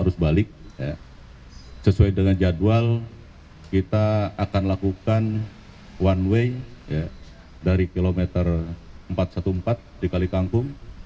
arus balik sesuai dengan jadwal kita akan lakukan one way dari kilometer empat ratus empat belas di kalikangkung